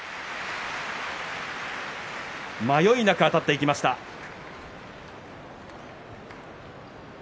迷いなくあたっていきました高安。